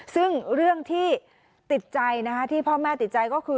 ซึ่งเรื่องที่ติดใจนะคะที่พ่อแม่ติดใจก็คือ